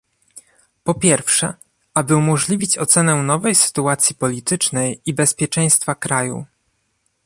Po pierwsze, aby umożliwić ocenę nowej sytuacji politycznej i bezpieczeństwa kraju